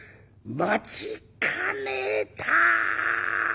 待ちかねた」。